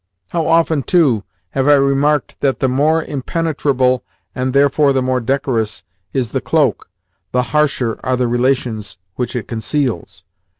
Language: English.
How often, too, have I remarked that, the more impenetrable (and therefore the more decorous) is the cloak, the harsher are the relations which it conceals!